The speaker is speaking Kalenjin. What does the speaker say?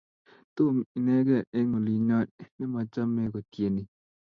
tom inekei eng olinyoo nemachamei kotyenii